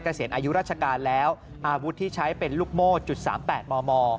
เกษียณอายุราชการแล้วอาวุธที่ใช้เป็นลูกโม่จุด๓๘มม